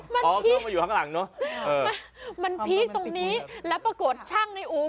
มาอยู่ข้างหลังเนอะเออมามันพีกตรงนี้และปรากฏช่างในอูว